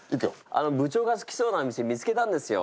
あの部長が好きそうな店見つけたんですよ。